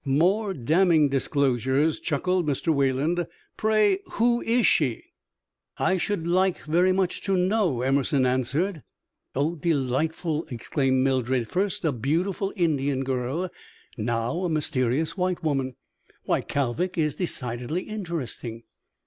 "More damning disclosures," chuckled Mr. Wayland. "Pray, who is she?" "I should like very much to know," Emerson answered. "Oh, delightful!" exclaimed Mildred. "First, a beautiful Indian girl; now, a mysterious white woman! Why, Kalvik is decidedly interesting."